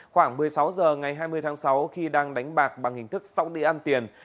khoảng một mươi sáu h ngày hai mươi tháng sáu khi đang đánh bạc bằng hình thức sóc đi ăn tiền